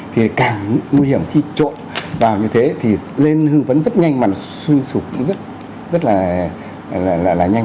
thì càng nguy hiểm khi trộn vào như thế thì lên hương phấn rất nhanh mà nó suy sụp cũng rất là nhanh